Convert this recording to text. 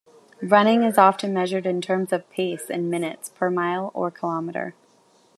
Running is often measured in terms of pace in minutes per mile or kilometer.